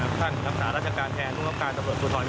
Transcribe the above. กับท่านฐานลัพษาราชการแทนธุรกาตรับทำรวจภูทร